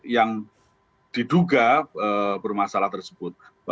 yang diduga bermasalah tersebut